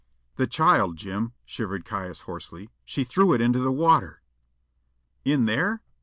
"The child, Jim!" shivered Caius hoarsely. "She threw it into the water!" "In there?"